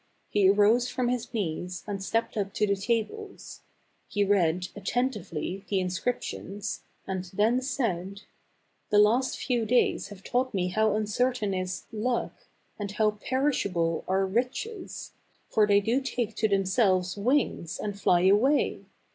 He arose from his knees, and stepped up to the tables ; he read, attentively, the inscriptions, and then said, " The last few days have taught me how uncertain is 'Luck/ and how perishable are ' Riches ;' for they do take to themselves wings, and fly away.